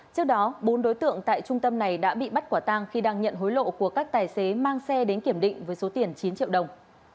trước đó bốn đối tượng tại trung tâm này đã bị bắt quả tang khi đang nhận hối lộ của các tài xế mang xe đến kiểm định với số tiền chín triệu đồng